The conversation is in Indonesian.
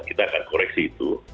kita akan koreksi itu